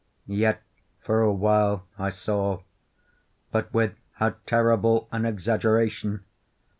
Yet, for a while, I saw—but with how terrible an exaggeration!